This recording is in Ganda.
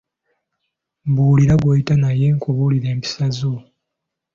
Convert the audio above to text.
Mbuulira gw'oyita naye nkubuulire empisa zo.